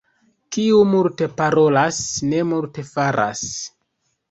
Kiu multe parolas, ne multe faras.